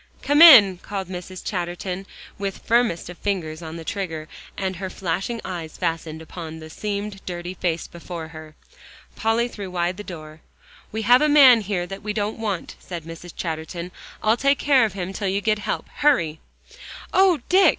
"Come in," called Mrs. Chatterton, with firmest of fingers on the trigger and her flashing eyes fastened upon the seamed, dirty face before her. Polly threw wide the door. "We have a man here that we don't want," said Mrs. Chatterton. "I'll take care of him till you get help. Hurry!" "Oh, Dick!"